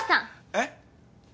えっ？